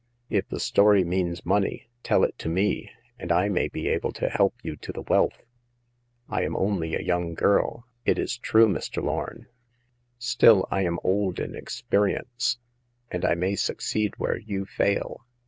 If the story means money, tell it to me, and I may be able to help you to the wealth. I am only a young girl, it is true, Mr. Lorn ; still, I am old in experience, and I may succeed where you fail."